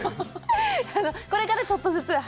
これからちょっとずつ。